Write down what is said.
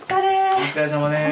お疲れさまです。